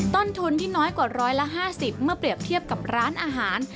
ต้นทุนที่น้อยกว่า๑๕๐เมื่อเปรียบเทียบกับร้านอาหาร